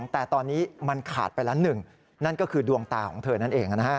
แต่ตอนนี้มันขาดไปละหนึ่งนั่นก็คือดวงตาของเธอนั่นเอง